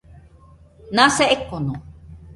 Nase ekono.